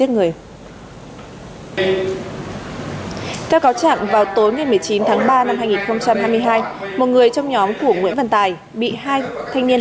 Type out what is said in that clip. người theo cáo chẳng vào tối một mươi chín tháng ba năm hai nghìn hai mươi hai một người trong nhóm của nguyễn văn tài bị hai thanh niên